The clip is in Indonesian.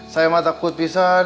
saya mah takut pisan